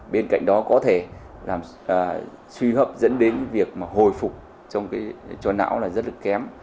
bên cạnh đó có thể suy hấp dẫn đến việc mà hồi phục cho não là rất là kém